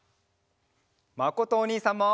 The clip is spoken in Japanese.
まことおにいさんも！